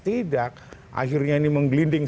tidak akhirnya ini menggelinding